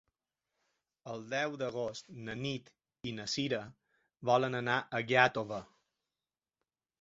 El deu d'agost na Nit i na Sira volen anar a Gàtova.